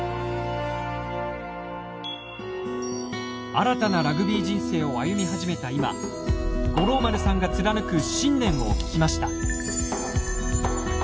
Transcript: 新たなラグビー人生を歩み始めた今五郎丸さんが貫く信念を聞きました。